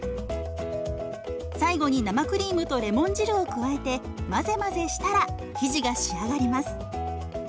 最後に生クリームとレモン汁を加えて混ぜ混ぜしたら生地が仕上がります。